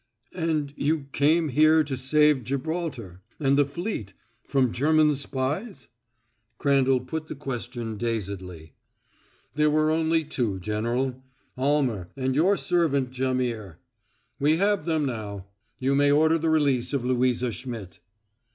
"And you came here to save Gibraltar and the fleet from German spies?" Crandall put the question dazedly. "There were only two, General Almer and your servant, Jaimihr. We have them now. You may order the release of Louisa Schmidt."